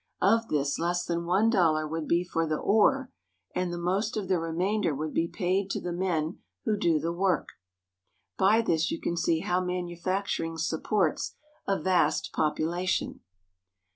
Of this less than one dollar would be for the ore, and the most of the remainder would be paid to the men who do the work. By this you can see how manufacturing supports a vast population.